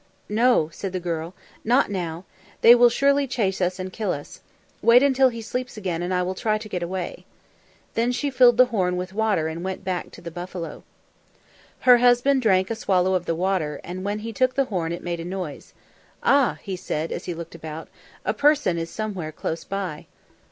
"No," said the girl, "not now. They will surely chase us and kill us. Wait until he sleeps again and I will try to get away." Then she filled the horn with water and went back to the buffalo. Her husband drank a swallow of the water, and when he took the horn it made a noise. "Ah," he said, as he looked about, "a person is somewhere close by."